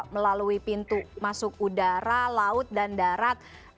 melalui pintu masuk udara laut dan darat